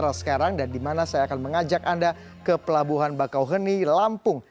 kita akan ke sumatra sekarang dan di mana saya akan mengajak anda ke pelabuhan bakauheni lampung